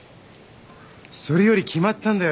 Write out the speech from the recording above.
それより決まったんだよ